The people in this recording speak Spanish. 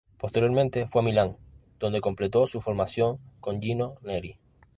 Posteriormente fue a Milán donde completó su formación con Gino Neri.